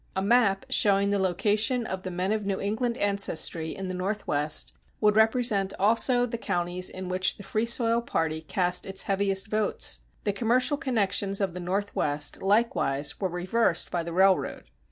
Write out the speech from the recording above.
A map showing the location of the men of New England ancestry in the Northwest would represent also the counties in which the Free Soil party cast its heaviest votes. The commercial connections of the Northwest likewise were reversed by the railroad.